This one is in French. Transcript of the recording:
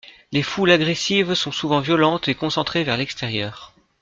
Les foules agressives sont souvent violentes et concentrées vers l'extérieur.